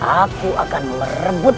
aku akan merebut